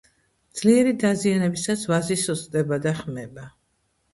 ძლიერი დაზიანებისას ვაზი სუსტდება და ხმება.